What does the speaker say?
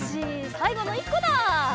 さいごの１こだ！